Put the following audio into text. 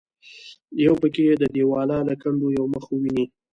یو پکې د دیواله له کنډوه یو مخ وویني.